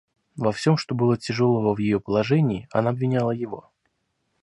Во всем, что было тяжелого в ее положении, она обвиняла его.